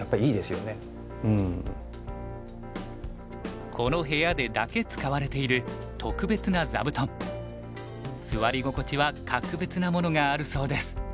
時々この部屋でだけ使われている特別な座布団座り心地は格別なものがあるそうです。